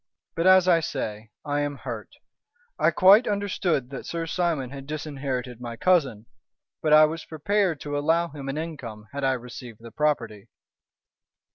"But, as I say, I am hurt. I quite understood that Sir Simon had disinherited my cousin, but I was prepared to allow him an income had I received the property."